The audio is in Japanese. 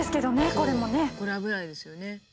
これ危ないですよね。